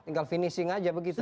tinggal finishing aja begitu